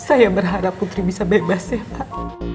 saya berharap putri bisa bebas ya pak